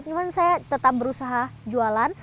cuma saya tetap berusaha jualan